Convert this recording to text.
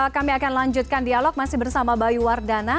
kami akan lanjutkan dialog masih bersama bayu wardana